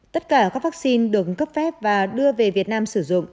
tất cả các vắc xin được cấp phép và đưa về việt nam sử dụng